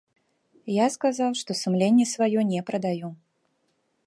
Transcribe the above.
Я сказаў, што сумленне сваё не прадаю.